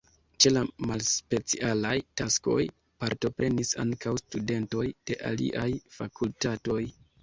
Ĉe la malspecialaj taskoj partoprenis ankaŭ studentoj de aliaj fakultatoj.